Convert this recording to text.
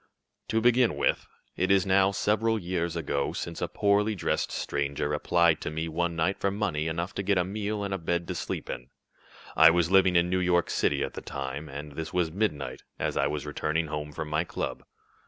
"To begin with, it is now several years ago since a poorly dressed stranger applied to me one night for money enough to get a meal and a bed to sleep in. I was living in New York City at the time, and this was midnight, as I was returning home from my club.